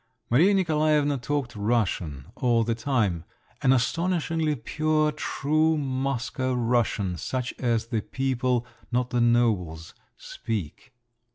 Maria Nikolaevna talked Russian all the time, an astonishingly pure true Moscow Russian, such as the people, not the nobles speak.